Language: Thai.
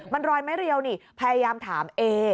มันรอยไม่เรียวนี่พยายามถามเอ